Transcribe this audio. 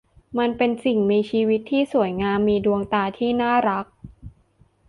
มันเป็นสิ่งมีชีวิตที่สวยงามมีดวงตาที่น่ารัก